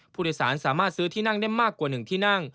ผู้โดยสารสามารถซื้อที่นั่งได้มากกว่า๑ที่นั่ง